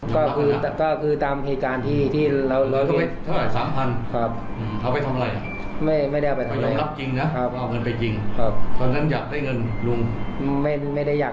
ซื้อของให้ครอบครัวใช้ส่วนตัว